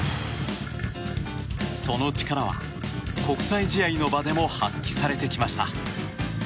その力は、国際試合の場でも発揮されてきました。